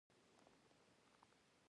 د زابل په شهر صفا کې د څه شي نښې دي؟